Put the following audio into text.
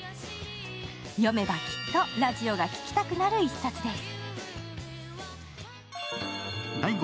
読めばきっとラジオが聴きたくなる一冊です。